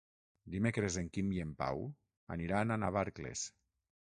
Dimecres en Quim i en Pau aniran a Navarcles.